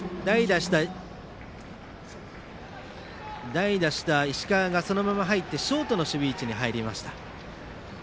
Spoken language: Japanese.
代打した石川がそのままショートの守備位置に入りました。